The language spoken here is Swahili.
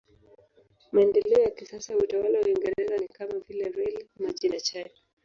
Maendeleo ya kisasa ya utawala wa Uingereza ni kama vile reli, maji na chai.